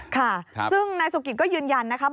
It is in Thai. ค่ะซึ่งนายสุกิตก็ยืนยันนะครับ